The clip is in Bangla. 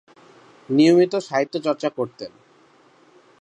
নিয়মিত সাহিত্যচর্চা করতেন।